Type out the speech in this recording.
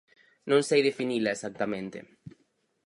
Non sei definila exactamente.